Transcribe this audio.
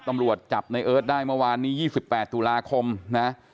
ตำรวจจับในเอิร์ทได้เมื่อวานนี้๒๘ตุลาคมนะ